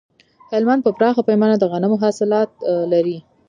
هلمند په پراخه پیمانه د غنمو حاصلات لري